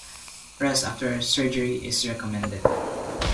Rest after surgery is recommended.